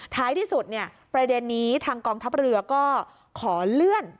ท้ายที่สุดเนี่ยประเด็นนี้ทางกองทัพเรือก็ขอเลื่อน